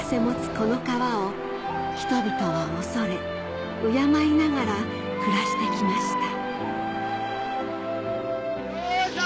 この川を人々は畏れ敬いながら暮らしてきましたよいしょ！